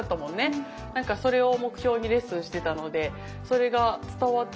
なんかそれを目標にレッスンしてたのでそれが伝わって。